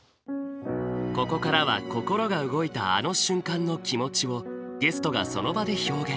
ここからは心が動いたあの瞬間の気持ちをゲストがその場で表現。